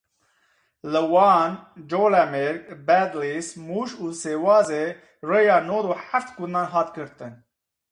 Li Wan, Colemêrg, Bedlîs, Mûş û Sêwazê rêya nod û heft gundan hat girtin.